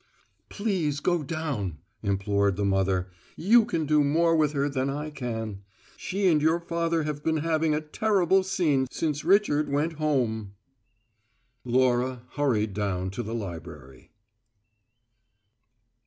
"Please go down," implored the mother. "You can do more with her than I can. She and your father have been having a terrible scene since Richard went home." Laura hurried down to the library.